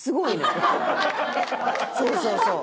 そうそうそう！